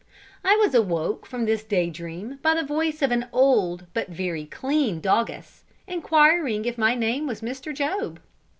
I was awoke from this day dream by the voice of an old, but very clean doggess, inquiring if my name was Mr. Job?